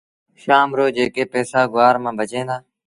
شآم رو جيڪي پئيٚسآ گُوآر مآݩ بچيٚن دآ